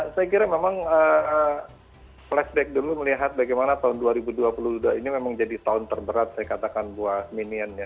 saya kira memang flashback dulu melihat bagaimana tahun dua ribu dua puluh dua ini memang jadi tahun terberat saya katakan buat minionnya